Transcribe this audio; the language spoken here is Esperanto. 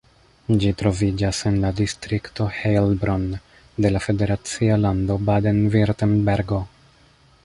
Ĝi troviĝas en la distrikto Heilbronn de la federacia lando Baden-Virtembergo.